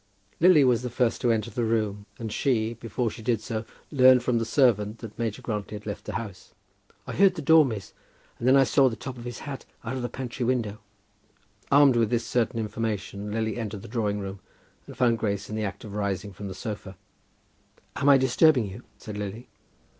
Lily was the first to enter the room, and she, before she did so, learned from the servant that Major Grantly had left the house. "I heard the door, miss, and then I saw the top of his hat out of the pantry window." Armed with this certain information Lily entered the drawing room, and found Grace in the act of rising from the sofa. "Am I disturbing you?" said Lily.